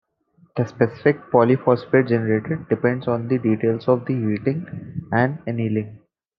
The specific polyphosphate generated depends on the details of the heating and annealling.